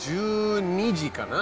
１２時かな。